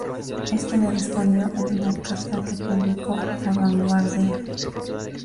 Este le respondió en una carta que publicó "La Vanguardia".